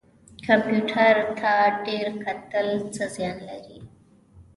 کمپیوټر ته ډیر کتل څه زیان لري؟